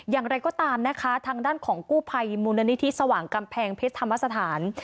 อย่างไรก็ตามนะคะทางด้านของกู้ภัยมูลนิธิสว่างกำแพงเพชรธรรมสถาน